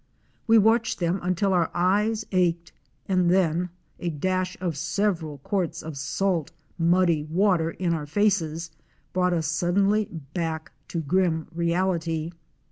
We watched them until our eyes ached, and then a dash of several quarts of salt, muddy water in our faces, brought us suddenly back to grim reality.